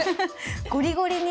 ゴリゴリに。